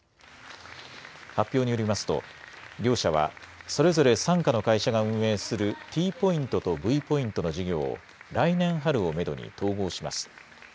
発表によりますと両社はそれぞれ傘下の会社が運営するＴポイントとＶポイントの事業を来年春をめどに統合します。